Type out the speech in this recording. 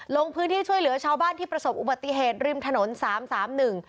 ลงพื้นที่ช่วยเหลือชาวบ้านที่ประสบอุบัติเหตุริมถนนสามสามหนึ่ง